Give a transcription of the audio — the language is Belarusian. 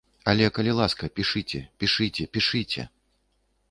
Але калі ласка, пішыце, пішыце, пішыце!